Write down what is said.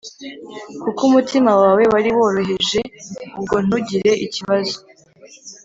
kuko umutima wawe wari woroheje ubwo ntugire ikibazo